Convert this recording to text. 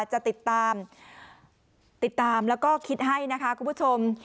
จะติดตามติดตามแล้วก็คิดให้นะคะคุณผู้ชม